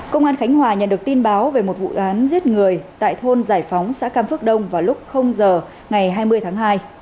công an khánh hòa nhận được tin báo về một vụ án giết người tại thôn giải phóng xã cam phước đông vào lúc giờ ngày hai mươi tháng hai